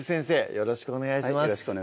よろしくお願いします